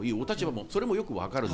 それもよくわかる。